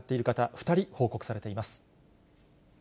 ２人、報告されています。